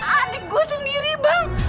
adik gue sendiri bang